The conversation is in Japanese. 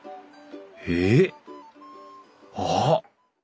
ええっあっ！